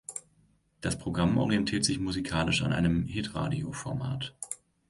Das Programm orientiert sich musikalisch an einem „Hit-Radio“-Format.